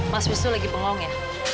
mas wisnu lagi bengong ya